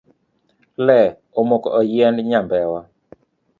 Lee omoko e yiend nyambewa.